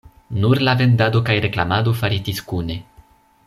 Nur la vendado kaj reklamado faritis kune.